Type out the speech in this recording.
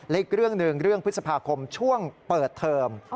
อีกเรื่องหนึ่งเรื่องพฤษภาคมช่วงเปิดเทอม